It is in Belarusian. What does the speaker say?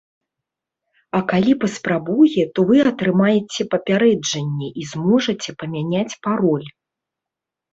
А калі паспрабуе, то вы атрымаеце папярэджанне і зможаце памяняць пароль.